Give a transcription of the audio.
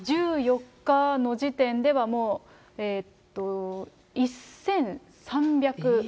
１４日の時点ではもう１３００万？